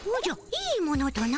いいものとな？